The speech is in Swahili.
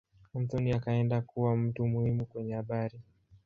Anthony akaendelea kuwa mtu muhimu kwenye habari.